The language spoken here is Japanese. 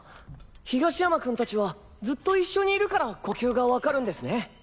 東山君達はずっと一緒にいるから呼吸がわかるんですね。